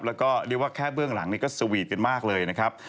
แล้วก็เรียกว่าแค่เบื้องหลังนี้ก็สวีทกันมากเลยนะครับ